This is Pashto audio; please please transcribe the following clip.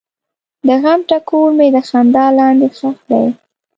د غم ټکور مې د خندا لاندې ښخ دی.